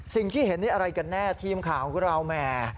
สิ่งที่เห็นนี่อะไรกันแน่ทีมข่าวของเราแหม